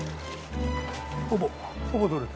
ほぼほぼ取れた。